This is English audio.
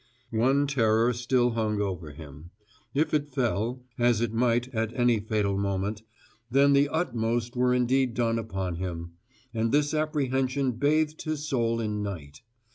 ..." One terror still hung over him. If it fell as it might at any fatal moment then the utmost were indeed done upon him; and this apprehension bathed his soul in night.